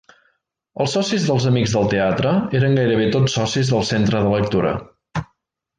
Els socis dels Amics del Teatre eren gairebé tots socis del Centre de Lectura.